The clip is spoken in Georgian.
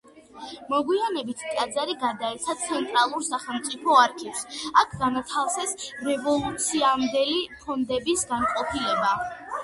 მოგვიანებით ტაძარი გადაეცა ცენტრალურ სახელმწიფო არქივს: აქ განათავსეს რევოლუციამდელი ფონდების განყოფილება.